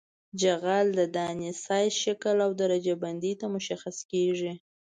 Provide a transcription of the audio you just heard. جغل د دانې سایز شکل او درجه بندۍ ته مشخص کیږي